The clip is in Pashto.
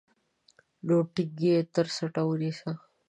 نو ټينګ يې تر څټ ونيسه.